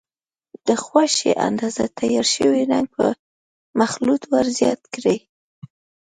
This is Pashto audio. د خوښې اندازه تیار شوی رنګ په مخلوط ور زیات کړئ.